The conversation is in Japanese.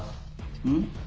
うん？